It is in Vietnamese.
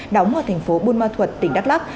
đóng ở thành phố bùn ma thuật tỉnh đắk lắk